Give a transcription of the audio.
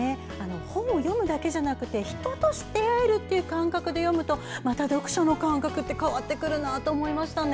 本を読むだけじゃなくて人と出会えるという感覚で読むとまた読書の感覚って変わってくるなと思いましたね。